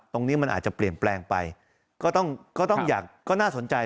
ตรงนี้มันอาจจะเปลี่ยนแปลงไปก็ต้องก็ต้องอยากก็น่าสนใจ